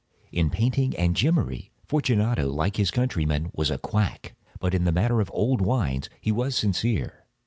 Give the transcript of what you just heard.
In painting and gemmary, Fortunato, like his countrymen, was a quack—but in the matter of old wines he was sincere.